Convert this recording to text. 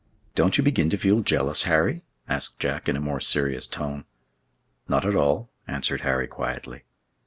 "Don't you begin to feel jealous, Harry?" asked Jack in a more serious tone. "Not at all," answered Harry quietly.